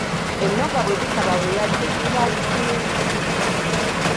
Ennoga bwe butaba bulwadde kiba ki?